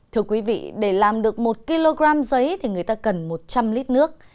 thưa quý vị để làm được một kg giấy thì người ta cần một trăm linh lít nước